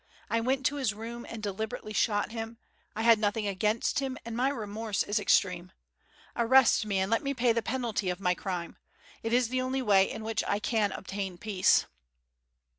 I went to his room and deliberately shot him. I had nothing against him, and my remorse is extreme. Arrest me and let me pay the penalty of my crime. It is the only way in which I can obtain peace."